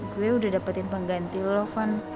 gue udah dapetin pengganti lo van